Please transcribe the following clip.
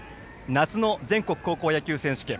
夏の全国高校野球選手権。